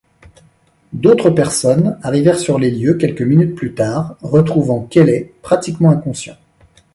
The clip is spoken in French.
D'autres personnes arrivèrent sur les lieux quelques minutes plus tard, retrouvant Kelley pratiquement inconscient.